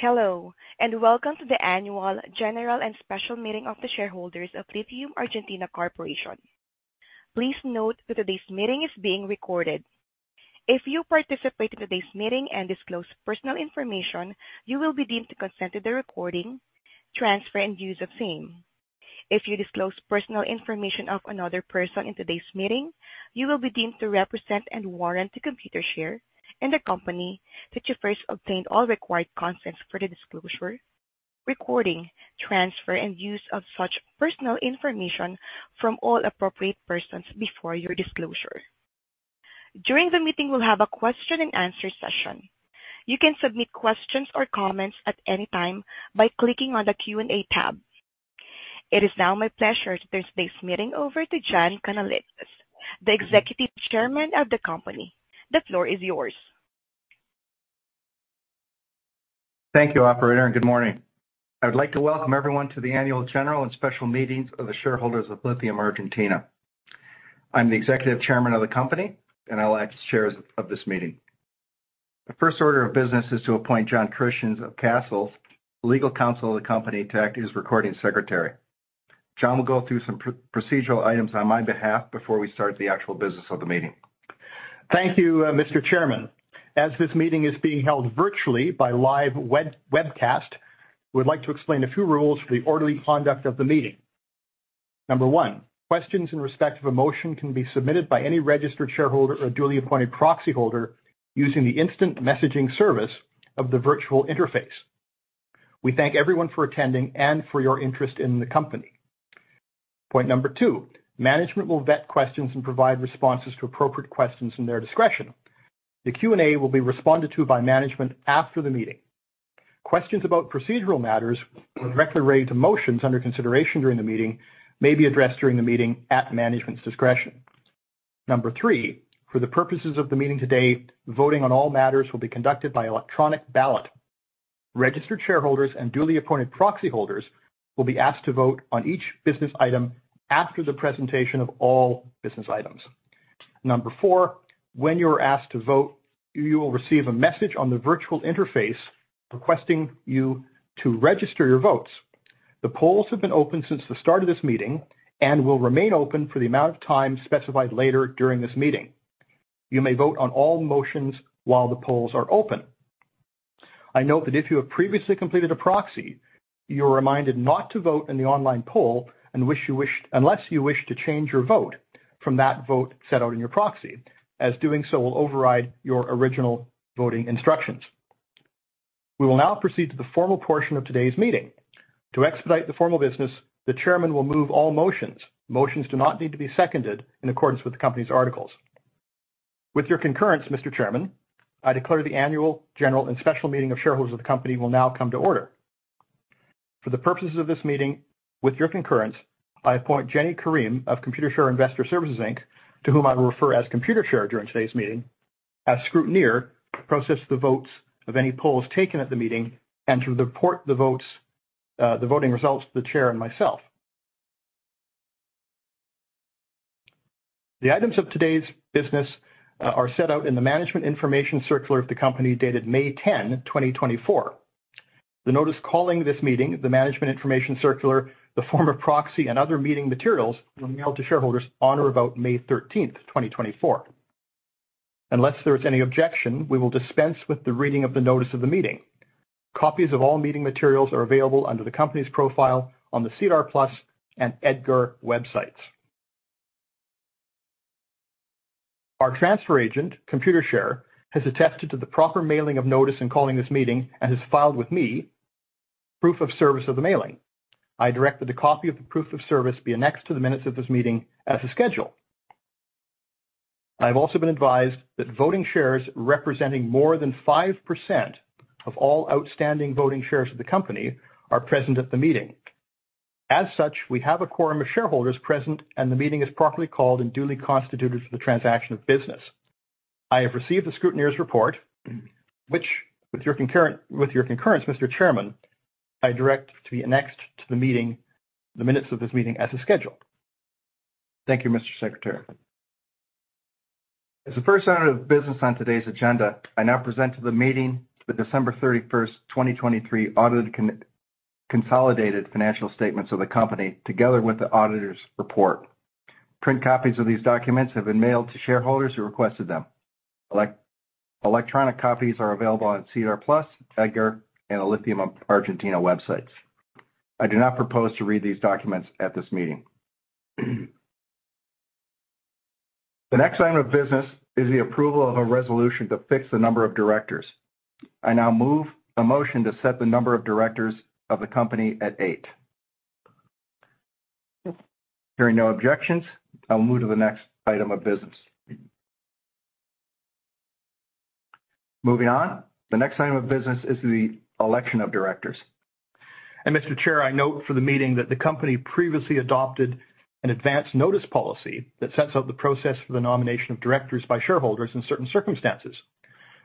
Hello, and welcome to the Annual General and Special Meeting of the Shareholders of Lithium Argentina Corporation. Please note that today's meeting is being recorded. If you participate in today's meeting and disclose personal information, you will be deemed to consent to the recording, transfer, and use of same. If you disclose personal information of another person in today's meeting, you will be deemed to represent and warrant to Computershare and the company that you first obtained all required consents for the disclosure, recording, transfer, and use of such personal information from all appropriate persons before your disclosure. During the meeting, we'll have a question and answer session. You can submit questions or comments at any time by clicking on the Q&A tab. It is now my pleasure to turn today's meeting over to John Kanellitsas, the Executive Chairman of the company. The floor is yours. Thank you, operator, and good morning. I'd like to welcome everyone to the annual general and special meetings of the shareholders of Lithium Argentina. I'm the Executive Chairman of the company, and I'll act as chair of this meeting. The first order of business is to appoint John Christian of Cassels, legal counsel of the company, to act as recording secretary. John will go through some procedural items on my behalf before we start the actual business of the meeting. Thank you, Mr. Chairman. As this meeting is being held virtually by live web, webcast, we'd like to explain a few rules for the orderly conduct of the meeting. Number one, questions in respect of a motion can be submitted by any registered shareholder or duly appointed proxyholder using the instant messaging service of the virtual interface. We thank everyone for attending and for your interest in the company. Point number two, management will vet questions and provide responses to appropriate questions in their discretion. The Q&A will be responded to by management after the meeting. Questions about procedural matters directly related to motions under consideration during the meeting may be addressed during the meeting at management's discretion. Number three, for the purposes of the meeting today, voting on all matters will be conducted by electronic ballot. Registered shareholders and duly appointed proxy holders will be asked to vote on each business item after the presentation of all business items. Number four, when you are asked to vote, you will receive a message on the virtual interface requesting you to register your votes. The polls have been open since the start of this meeting and will remain open for the amount of time specified later during this meeting. You may vote on all motions while the polls are open. I note that if you have previously completed a proxy, you're reminded not to vote in the online poll, and unless you wish to change your vote from that vote set out in your proxy, as doing so will override your original voting instructions. We will now proceed to the formal portion of today's meeting. To expedite the formal business, the chairman will move all motions. Motions do not need to be seconded in accordance with the company's articles. With your concurrence, Mr. Chairman, I declare the Annual General and Special Meeting of Shareholders of the company will now come to order. For the purposes of this meeting, with your concurrence, I appoint Jenny Karim of Computershare Investor Services Inc to whom I will refer as Computershare during today's meeting, as scrutineer, to process the votes of any polls taken at the meeting and to report the voting results to the chair and myself. The items of today's business are set out in the management information circular of the company, dated 10 May 2024. The notice calling this meeting, the management information circular, the form of proxy, and other meeting materials were mailed to shareholders on or about 13 May 2024. Unless there is any objection, we will dispense with the reading of the notice of the meeting. Copies of all meeting materials are available under the company's profile on the SEDAR+ and EDGAR websites. Our transfer agent, Computershare, has attested to the proper mailing of notice in calling this meeting and has filed with me proof of service of the mailing. I direct that the copy of the proof of service be annexed to the minutes of this meeting as a schedule. I've also been advised that voting shares representing more than 5% of all outstanding voting shares of the company are present at the meeting. As such, we have a quorum of shareholders present, and the meeting is properly called and duly constituted for the transaction of business. I have received the scrutineer's report, which, with your concurrence, Mr. Chairman, I direct to be annexed to the minutes of this meeting as a schedule. Thank you, Mr. Secretary. As the first order of business on today's agenda, I now present to the meeting the 31 December 2023, audited consolidated financial statements of the company, together with the auditor's report. Print copies of these documents have been mailed to shareholders who requested them. Electronic copies are available on SEDAR+, EDGAR, and the Lithium Argentina websites. I do not propose to read these documents at this meeting. The next item of business is the approval of a resolution to fix the number of directors. I now move a motion to set the number of directors of the company at eight. Hearing no objections, I'll move to the next item of business. Moving on, the next item of business is the election of directors. Mr. Chair, I note for the meeting that the company previously adopted an advanced notice policy that sets out the process for the nomination of directors by shareholders in certain circumstances.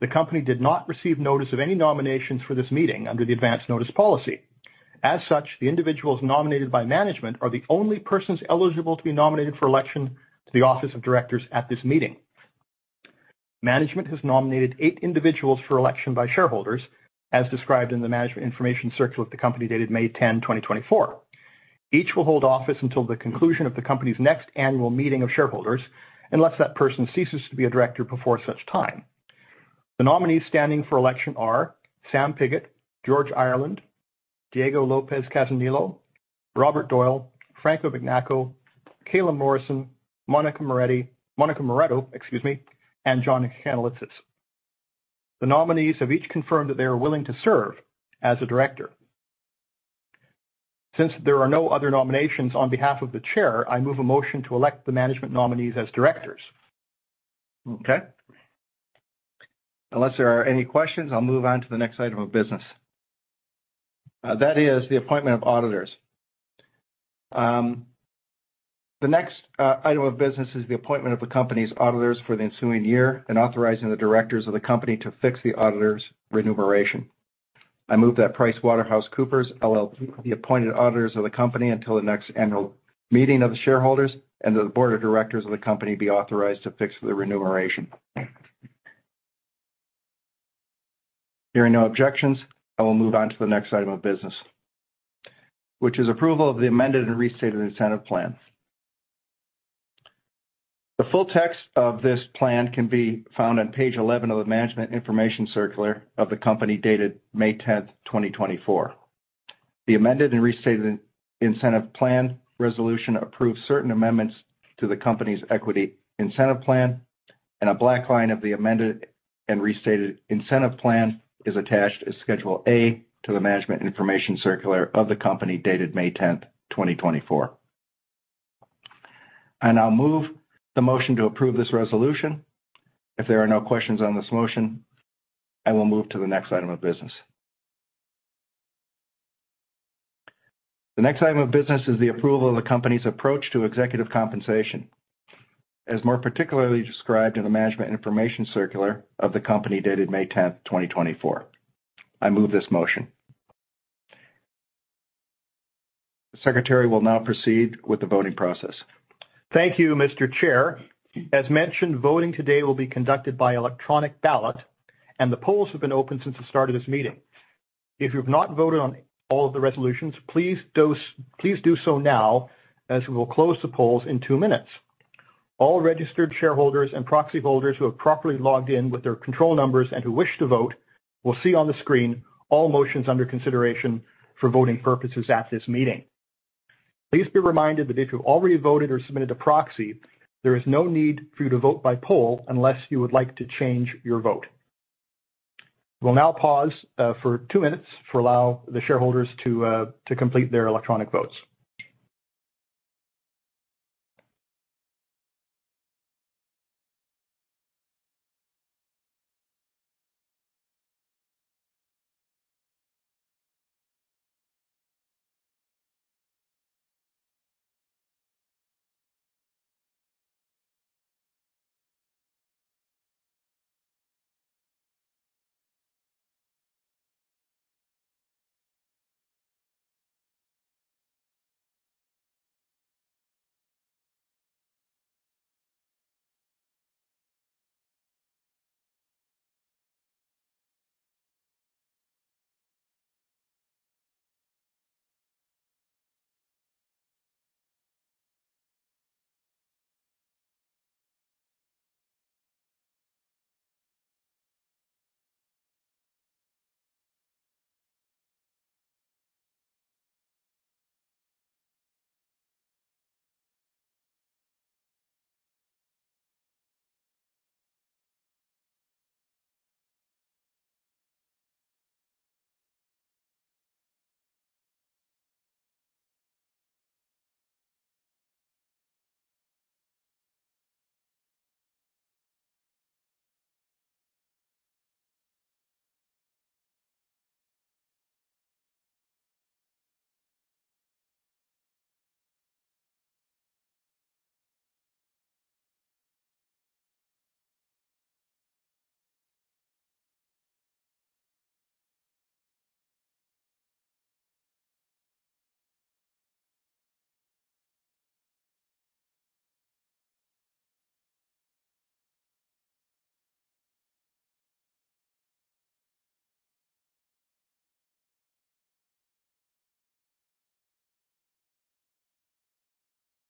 The company did not receive notice of any nominations for this meeting under the advanced notice policy. As such, the individuals nominated by management are the only persons eligible to be nominated for election to the office of directors at this meeting. Management has nominated eight individuals for election by shareholders, as described in the management information circular of the company dated 10 May 2024. Each will hold office until the conclusion of the company's next annual meeting of shareholders, unless that person ceases to be a director before such time. The nominees standing for election are Sam Pigott, George Ireland, Diego Lopez Casanello, Robert Doyle, Franco Mignacco, Calum Morrison, Monica Moretti—Monica Moretto, excuse me, and John Kanellitsas. The nominees have each confirmed that they are willing to serve as a director. Since there are no other nominations on behalf of the chair, I move a motion to elect the management nominees as directors. Okay, unless there are any questions, I'll move on to the next item of business. That is the appointment of auditors. The next item of business is the appointment of the company's auditors for the ensuing year and authorizing the directors of the company to fix the auditors' remuneration. I move that PricewaterhouseCoopers LLP be appointed auditors of the company until the next annual meeting of the shareholders and that the board of directors of the company be authorized to fix the remuneration. Hearing no objections, I will move on to the next item of business, which is approval of the amended and restated incentive plan. The full text of this plan can be found on page 11 of the Management Information Circular of the company, dated 10 May 2024. The amended and restated incentive plan resolution approves certain amendments to the company's equity incentive plan, and a black line of the amended and restated incentive plan is attached as Schedule A to the Management Information Circular of the company, dated 10 May 2024. I now move the motion to approve this resolution. If there are no questions on this motion, I will move to the next item of business. The next item of business is the approval of the company's approach to executive compensation, as more particularly described in the Management Information Circular of the company, dated 10 May 2024. I move this motion. The secretary will now proceed with the voting process. Thank you, Mr. Chair. As mentioned, voting today will be conducted by electronic ballot, and the polls have been open since the start of this meeting. If you've not voted on all of the resolutions, please do so now, as we will close the polls in two minutes. All registered shareholders and proxy holders who have properly logged in with their control numbers and who wish to vote will see on the screen all motions under consideration for voting purposes at this meeting. Please be reminded that if you've already voted or submitted a proxy, there is no need for you to vote by poll unless you would like to change your vote. We'll now pause for two minutes to allow the shareholders to complete their electronic votes.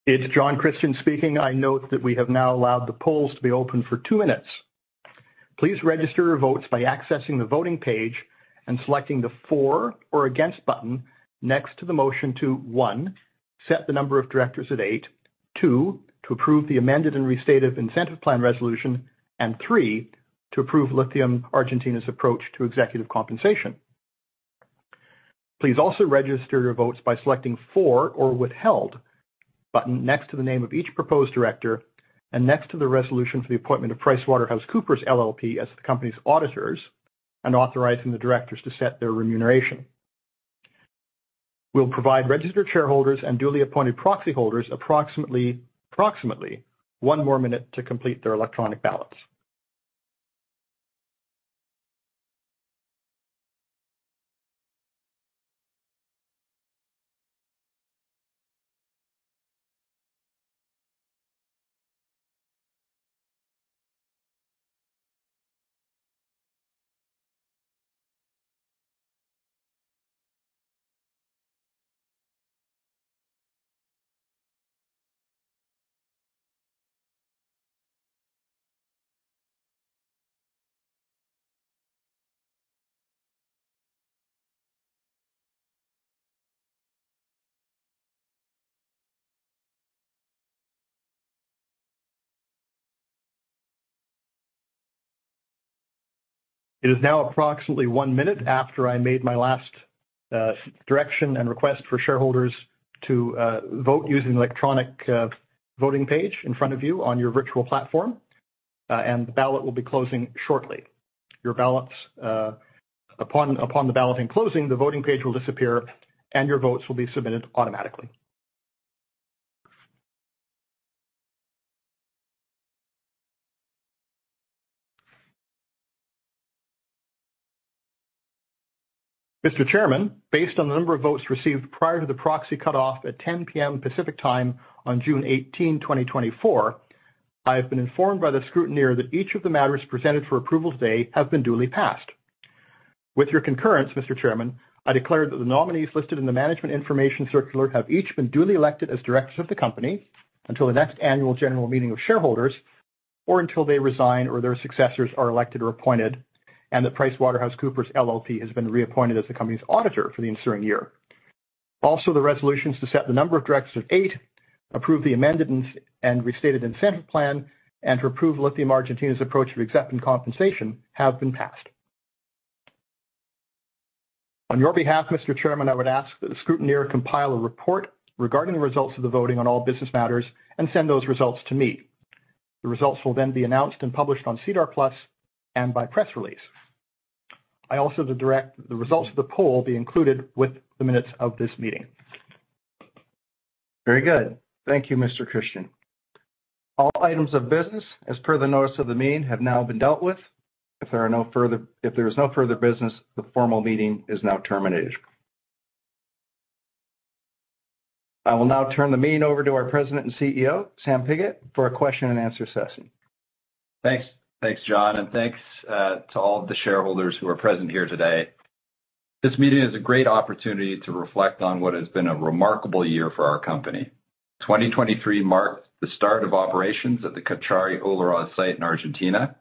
It's John Christian speaking. I note that we have now allowed the polls to be open for two minutes. Please register your votes by accessing the voting page and selecting the for or against button next to the motion to: one, set the number of directors at eight; two, to approve the amended and restated incentive plan resolution; and three, to approve Lithium Argentina's approach to executive compensation. Please also register your votes by selecting for or withheld button next to the name of each proposed director and next to the resolution for the appointment of PricewaterhouseCoopers LLP as the company's auditors and authorizing the directors to set their remuneration. We'll provide registered shareholders and duly appointed proxy holders approximately one more minute to complete their electronic ballots. It is now approximately one minute after I made my last direction and request for shareholders to vote using the electronic voting page in front of you on your virtual platform. The ballot will be closing shortly. Your ballots, upon the balloting closing, the voting page will disappear, and your votes will be submitted automatically. Mr. Chairman, based on the number of votes received prior to the proxy cutoff at 10 P.M. Pacific Time on 18 June 2024, I have been informed by the scrutineer that each of the matters presented for approval today have been duly passed. With your concurrence, Mr. Chairman, I declare that the nominees listed in the management information circular have each been duly elected as directors of the company until the next annual general meeting of shareholders, or until they resign or their successors are elected or appointed, and that PricewaterhouseCoopers LLP has been reappointed as the company's auditor for the ensuing year. Also, the resolutions to set the number of directors of eight, approve the amended and restated incentive plan, and to approve Lithium Argentina's approach to executive compensation have been passed. On your behalf, Mr. Chairman, I would ask that the scrutineer compile a report regarding the results of the voting on all business matters and send those results to me. The results will then be announced and published on SEDAR+ and by press release. I also direct the results of the poll be included with the minutes of this meeting. Very good. Thank you, Mr. Christian. All items of business, as per the notice of the meeting, have now been dealt with. If there is no further business, the formal meeting is now terminated. I will now turn the meeting over to our President and CEO, Sam Pigott, for a question-and-answer session. Thanks. Thanks, John, and thanks to all of the shareholders who are present here today. This meeting is a great opportunity to reflect on what has been a remarkable year for our company. 2023 marked the start of operations at the Caucharí-Olaroz site in Argentina,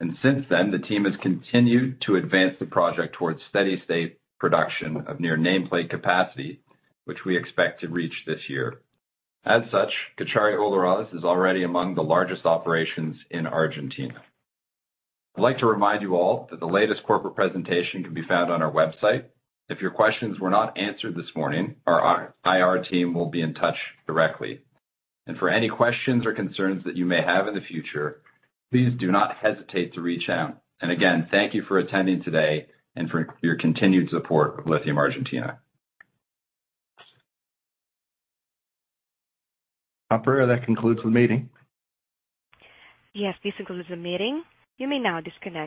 and since then, the team has continued to advance the project towards steady-state production of near nameplate capacity, which we expect to reach this year. As such, Cauchari-Olaroz is already among the largest operations in Argentina. I'd like to remind you all that the latest corporate presentation can be found on our website. If your questions were not answered this morning, our IR team will be in touch directly. And for any questions or concerns that you may have in the future, please do not hesitate to reach out. And again, thank you for attending today and for your continued support of Lithium Argentina. Operator, that concludes the meeting. Yes, this concludes the meeting. You may now disconnect.